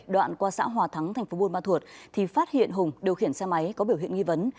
đoạn qua xã hòa thắng tp bun ma thuột thì phát hiện hùng điều khiển xe máy có biểu hiện nghi vấn